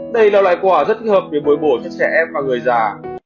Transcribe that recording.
đây là loại quả rất thích hợp với bối bổ chất trẻ em và người dân